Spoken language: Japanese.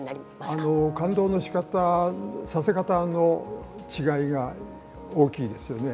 感動のしかたさせ方の違いが大きいですよね。